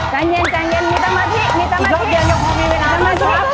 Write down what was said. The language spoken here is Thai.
กลับมา